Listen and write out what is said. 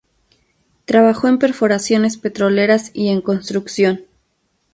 Trabajó en perforaciones petroleras y en construcción.